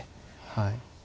はい。